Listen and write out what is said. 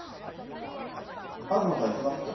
東さんいきますか？